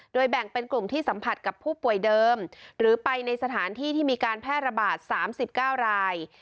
แบ่งเป็นกลุ่มที่สัมผัสกับผู้ป่วยเดิมหรือไปในสถานที่ที่มีการแพร่ระบาด๓๙ราย